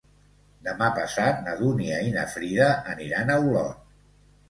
Demà passat na Dúnia i na Frida aniran a Olot.